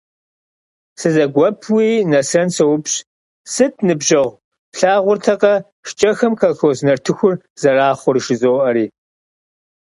Сызэгуэпуи Нэсрэн соупщӏ:- Сыт, ныбжьэгъу, плъагъуртэкъэ шкӏэхэм колхоз нартыхур зэрахъур? - жызоӏэри.